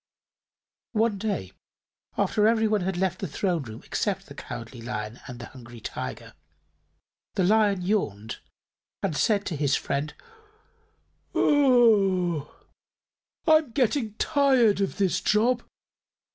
One day, after everybody had left the Throne Room except the Cowardly Lion and the Hungry Tiger, the Lion yawned and said to his friend: "I'm getting tired of this job.